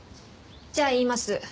じゃあ言います。